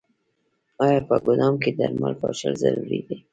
آیا په ګدام کې درمل پاشل ضروري دي؟